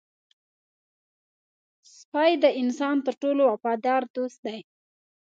سپي د انسان تر ټولو وفادار دوست دی.